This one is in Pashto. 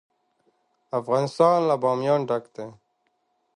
افغانستان له بامیان ډک دی.